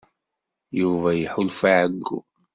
Yuba iḥulfa i ɛeyyu.